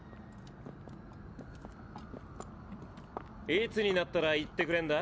いつになったら言ってくれんだ？